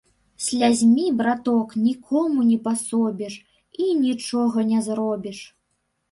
Слязьмі, браток, нікому не пасобіш і нічога не зробіш.